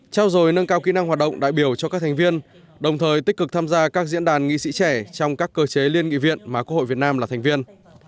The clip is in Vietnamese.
trao dồi nâng cao kỹ năng hoạt động đại biểu cho các thành viên đồng thời tích cực tham gia các diễn đàn nghị sĩ trẻ trong các cơ chế liên nghị viện mà quốc hội việt nam là thành viên